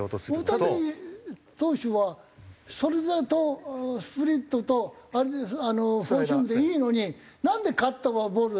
大谷投手はそれだとスプリットとあれフォーシームでいいのになんでカットボール